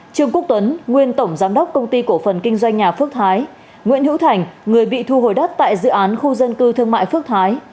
trương quốc tuấn nguyên tổng giám đốc công ty cổ phần kinh doanh nhà phước thái nguyễn hữu thành người bị thu hồi đất tại dự án khu dân cư thương mại phước thái